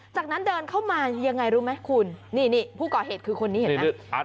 จากนั้นเดินเข้ามายังไงรู้ไหมคุณนี่นี่ผู้ก่อเหตุคือคนนี้เห็นไหม